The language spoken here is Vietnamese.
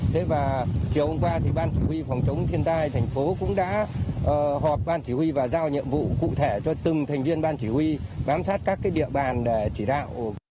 thế và chiều hôm qua thì ban chủ huy phòng chống thiên tai thành phố cũng đã họp ban chỉ huy và giao nhiệm vụ cụ thể cho từng thành viên ban chỉ huy bám sát các địa bàn để chỉ đạo